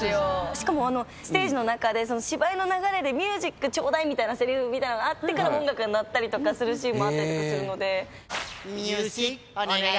しかもステージの中で芝居の流れで「ミュージックちょうだい」みたいなせりふがあってから音楽が鳴ったりするシーンもあったりするので。